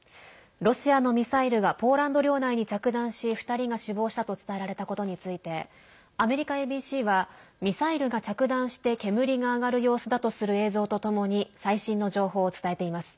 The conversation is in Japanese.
ロシアのミサイルがポーランド領内に着弾し２人が死亡したと伝えられたことについてアメリカＡＢＣはミサイルが着弾して煙が上がる様子だとする映像とともに最新の情報を伝えています。